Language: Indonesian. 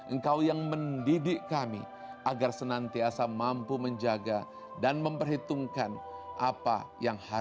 engkau yang maha memperhitungkan